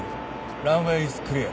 ランウェイイズクリア。